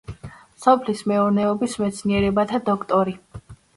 სოფლის მეურნეობის მეცნიერებათა დოქტორი.